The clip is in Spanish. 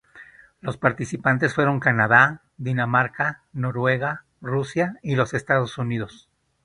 Los participantes fueron Canadá, Dinamarca, Noruega, Rusia y los Estados Unidos.